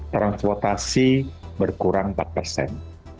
transportasi berkurang empat persen